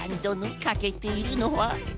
かけているのは？